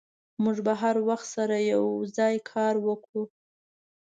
موږ به هر وخت سره یوځای کار وکړو.